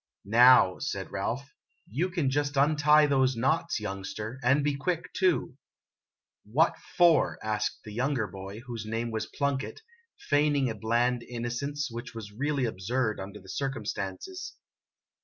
" Now," said Ralph, "you can just untie those knots, youngster, and be quick, too !"" What for? " asked the younger boy, whose name was Plunkett, feigning a bland innocence which was really absurd under the cir cumstances.